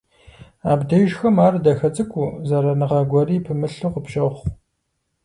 Абдежхэм ар дахэ цӀыкӀуу, зэраныгъэ гуэри пымылъу къыпщохъу.